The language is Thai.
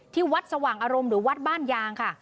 ที่วัดสว่างอารมณ์หรือวัดบ้านยางค่ะ